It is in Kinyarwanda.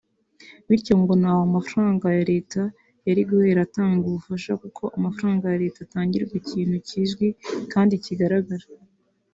bityo ngo ntaho Leta yari guhera itanga ubufasha kuko amafaranga ya Leta atangirwa ikintu kizwi kandi kigaragara